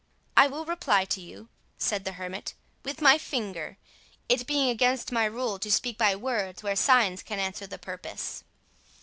"I will reply to you," said the hermit, "with my finger, it being against my rule to speak by words where signs can answer the purpose."